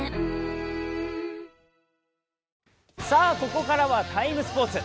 ここからは「ＴＩＭＥ，スポーツ」。